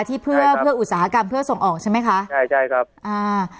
ที่เพื่อเพื่ออุตสาหกรรมเพื่อส่งออกใช่ไหมคะใช่ใช่ครับอ่า